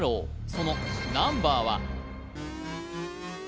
そのナンバーは？